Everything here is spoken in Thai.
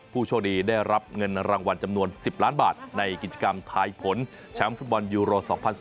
ผู้โชคดีได้รับเงินรางวัลจำนวน๑๐ล้านบาทในกิจกรรมทายผลแชมป์ฟุตบอลยูโร๒๐๑๙